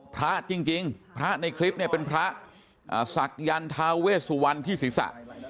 พระจริงพระในคลิปเป็นพระศักยันทาเวสวันที่ศิษย์